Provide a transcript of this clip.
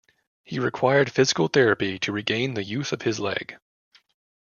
He required physical therapy to regain the use of his leg.